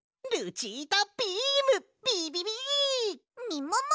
みもも